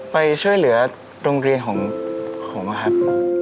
ไปช่วยเหลือโรงเรียนของผมครับ